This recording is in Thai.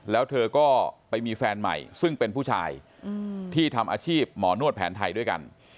แล้วเธอก็ไปมีแฟนใหม่ซึ่งเป็นผู้ชายที่ทำอาชีพหมอนวดแผนไทยด้วยกัน